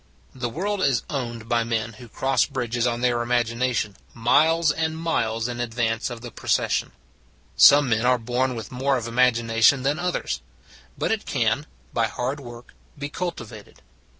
The world is owned by men who cross bridges on their imaginations miles and miles in advance of the procession. Some men are born with more of imag ination than others; but it can, by hard work, be cultivated.